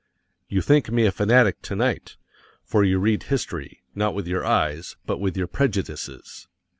You think me a fanatic to night, for you read history, not with your eyes, but with your prejudices.